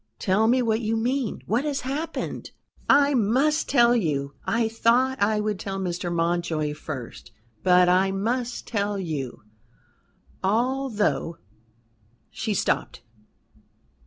"Tell me what you mean. What has happened?" "I must tell you. I thought I would tell Mr. Mountjoy first: but I must tell you, although " She stopped.